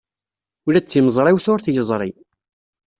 Ula d timeẓriwt ur t-yeẓri.